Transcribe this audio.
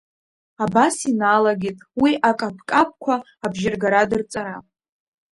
Абас, иналагеит уи акаԥкаԥқәа абжьыргара дырҵара…